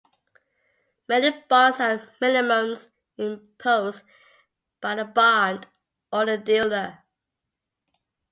Many bonds have minimums imposed by the bond or the dealer.